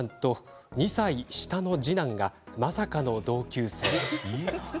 一浪一留の長男と２歳下の次男がまさかの同級生。